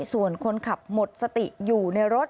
ส่วนคนขับหมดสติอยู่ในรถ